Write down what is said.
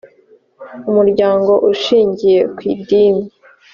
umuryango ushingiye ku idini